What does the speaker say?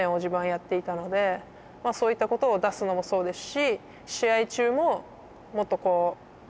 しっかりその辺はそういったことを出すのもそうですし。